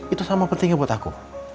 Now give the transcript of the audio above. itu sama pentingnya buat aku